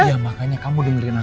iya makanya kamu dengerin aku